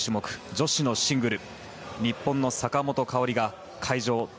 女子のシングル。